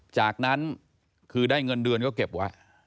จากนั้นคือได้เงินเดือนก็เก็บไว้